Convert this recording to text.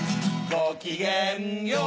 ごきげんよう